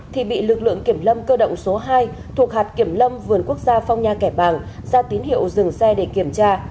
thì bị lực lượng kiểm lâm cơ động số hai thuộc hạt kiểm lâm vườn quốc gia phong nha kẻ bàng ra tín hiệu dừng xe để kiểm tra